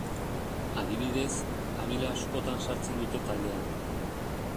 Adibidez, Abila askotan sartzen dute taldean.